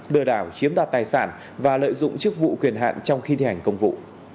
đưa đảo chiếm đạt tài sản và lợi dụng chức vụ quyền hạn trong khi thi hành công vụ